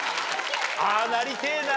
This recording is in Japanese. ああなりてぇな！